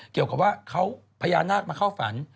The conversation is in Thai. เกี่ยวกับว่าเขาพญานาคมาเข้าฝัน